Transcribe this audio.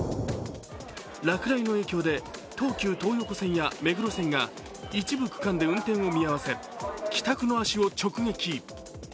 落雷の影響で東急東横線や目黒線が一部区間で運転を見合わせ帰宅の足を直撃。